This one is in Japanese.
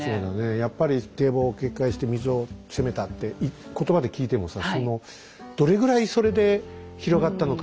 やっぱり堤防を決壊して水を攻めたって言葉で聞いてもさどれぐらいそれで広がったのか。